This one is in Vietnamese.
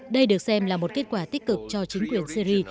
đây được xem là một kết quả tích cực cho chính quyền syri